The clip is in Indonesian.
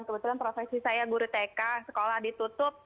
kebetulan profesi saya guru tk sekolah ditutup